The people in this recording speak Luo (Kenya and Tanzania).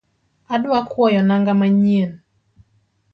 Adwa kwoyo nanga manyien